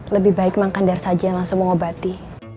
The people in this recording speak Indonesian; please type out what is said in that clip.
lebih baik mak kandar saja yang langsung mau ngobati